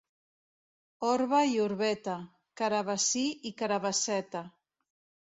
Orba i Orbeta, carabassí i carabasseta.